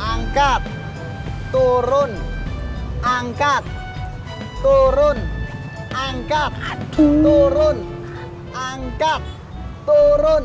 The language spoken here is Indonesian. angkat turun angkat turun angkat turun angkat turun